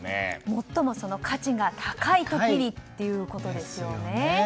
最も価値が高い時にということですよね。